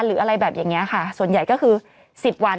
หรืออะไรแบบอย่างนี้ค่ะส่วนใหญ่ก็คือ๑๐วัน